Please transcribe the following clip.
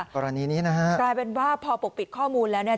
กรณีนี้นะฮะกลายเป็นว่าพอปกปิดข้อมูลแล้วเนี่ย